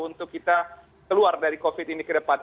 untuk kita keluar dari covid ini ke depan